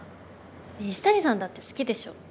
西谷さんだって好きでしょ？